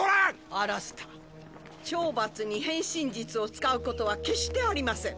アラスター懲罰に変身術を使うことは決してありません